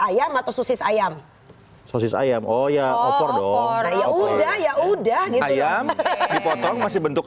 ayam atau sosis ayam sosis ayam oh ya opor dong ya udah ya udah gitu ya dipotong masih bentuk